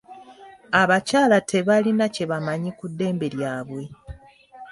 Abakyala tebalina kye bamanyi ku ddembe lyabwe.